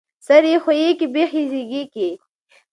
ـ سر يې ښويکى، بېخ يې زيږکى.